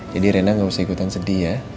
jadi rena enggak usah ikutan sedih ya